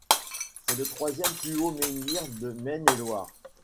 C'est le troisième plus haut menhir de Maine-et-Loire.